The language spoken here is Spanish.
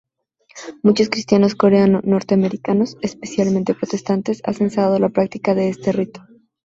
Muchos cristianos coreano-norteamericanos, especialmente protestantes, han cesado la práctica de este rito.